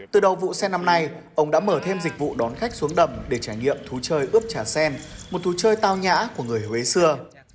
từ đầu vụ sen năm nay ông đã mở thêm dịch vụ đón khách xuống đầm để trải nghiệm thú chơi ướp trà sen một thú chơi tao nhã của người huế xưa